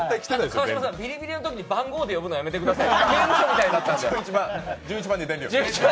川島さん、ビリビリのとき番号で呼ぶのやめてください。